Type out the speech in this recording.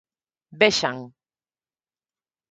Vexan.